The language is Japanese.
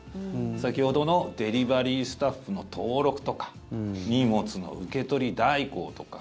先ほどのデリバリースタッフの登録とか荷物の受け取り代行とか。